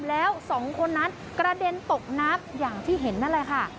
แล้วสองคนนั้นกระเด็นตกน้ำอย่างที่เห็นนั่นแหละค่ะ